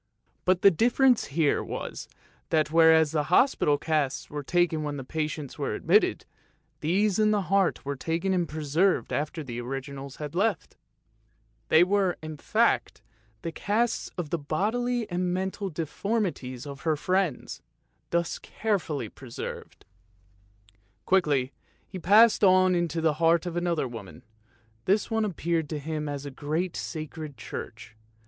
but the difference here was, that whereas in the hospital the casts were taken when the patients were admitted, these in the heart were taken and preserved after the originals had 322 ANDERSEN'S FAIRY TALES left. They were, in fact, the casts of the bodily and mental deformities of her friends, thus carefully preserved. Quickly he passed on into the heart of another woman; this one appeared to him as a great sacred church.